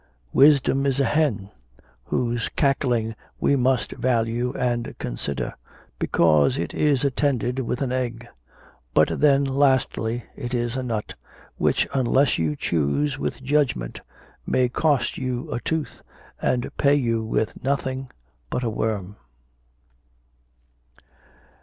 Wisdom is a hen, whose cackling we must value and consider, because it is attended with an egg; but then, lastly, it is a nut, which, unless you choose with judgment, may cost you a tooth, and pay you with nothing but a worm.